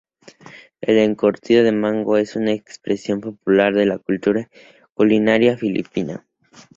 El encurtido de mango es una expresión popular de la cultura culinaria filipina.